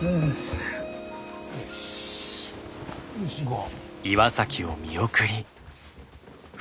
よし行こう。